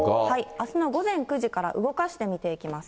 あすの午前９時から、動かして見ていきます。